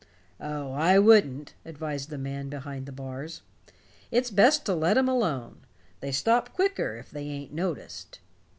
"Oh, I wouldn't," advised the man behind the bars. "It's best to let 'em alone. They stop quicker if they ain't noticed."